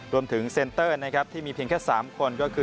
รวมถึงเซนเตอร์ที่มีเพียงแค่๓คนก็คือ